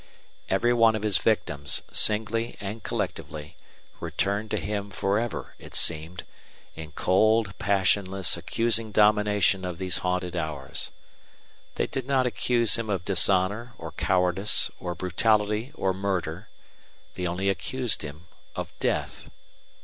Every one of his victims, singly and collectively, returned to him for ever, it seemed, in cold, passionless, accusing domination of these haunted hours. They did not accuse him of dishonor or cowardice or brutality or murder; they only accused him of Death.